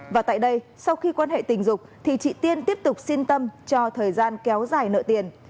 và tại đây sau khi quan hệ tình dục thì chị tiên tiếp tục xin tâm cho thời gian kéo dài nợ tiền